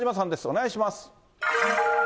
お願いします。